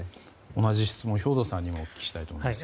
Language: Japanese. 同じ質問を兵頭さんにもお聞きしたいと思います。